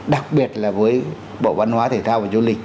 đặc biệt là với bộ văn hóa thể thao và du lịch